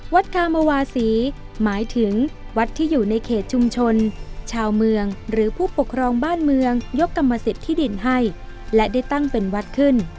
คามวาศีหมายถึงวัดที่อยู่ในเขตชุมชนชาวเมืองหรือผู้ปกครองบ้านเมืองยกกรรมสิทธิ์ที่ดินให้และได้ตั้งเป็นวัดขึ้น